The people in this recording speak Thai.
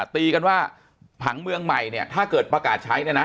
ตีกันว่าผังเมืองใหม่เนี่ยถ้าเกิดประกาศใช้เนี่ยนะ